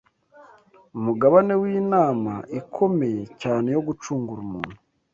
umugabane w’inama ikomeye cyane yo gucungura umuntu.